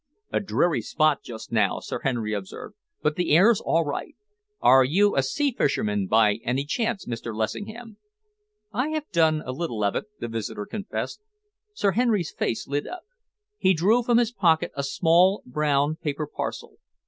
"A dreary spot just now," Sir Henry observed, "but the air's all right. Are you a sea fisherman, by any chance, Mr. Lessingham?" "I have done a little of it," the visitor confessed. Sir Henry's face lit up. He drew from his pocket a small, brown paper parcel.